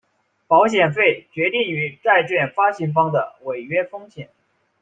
保险费决定于债券发行方的违约风险。